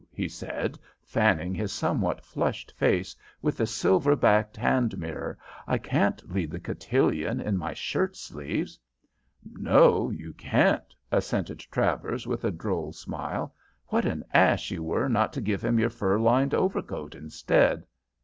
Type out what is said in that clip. he said, fanning his somewhat flushed face with the silver backed hand mirror. 'I can't lead the cotillon in my shirt sleeves.' "'No, you can't,' assented Travers with a droll smile. 'What an ass you were not to give him your fur lined overcoat instead.'